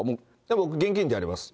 僕、現金でやります。